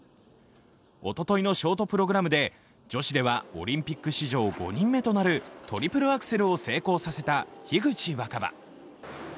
おとといのショートプログラムで女子ではオリンピック史上５人目となるトリプルアクセルを成功させた樋口新葉。